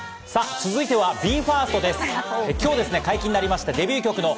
続いてはＢＥ：ＦＩＲＳＴです。